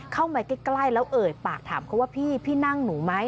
เข้ามาใกล้แล้วเอ่ยปากถามเขาว่าพี่พี่นั่งหนูไหม